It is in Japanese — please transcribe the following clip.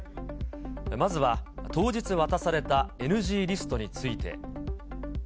まずは当日渡されたＮＧリストについて。